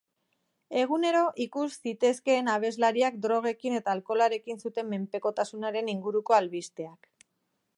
Egunero ikus zitezkeen abeslariak drogekin eta alkoholarekin zuen menpekotasunaren inguruko albisteak.